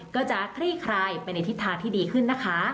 ก็จะคลี่คลายไปในทิศทางที่ดีขึ้นนะคะ